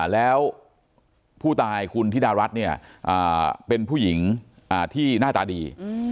แล้วผู้ตายคุณธิดารัฐเนี่ยเป็นผู้หญิงที่หน้าตาดี